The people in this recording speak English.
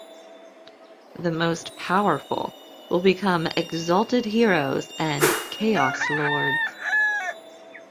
The most powerful will become "Exalted heros" and "Chaos lords".